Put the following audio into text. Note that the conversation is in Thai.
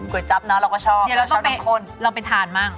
กล่วยจับนะเราก็ชอบแล้วชอบน้ำข้นเราต้องไปทานบ้าง